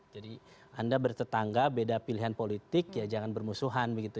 jadi anda bertetangga beda pilihan politik ya jangan bermusuhan begitu